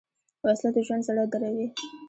وسله د ژوند زړه دروي